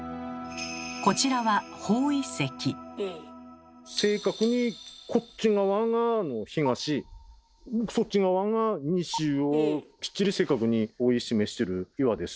こちらは正確にこっち側が東そっち側が西をきっちり正確に方位示してる岩です。